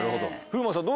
風磨さん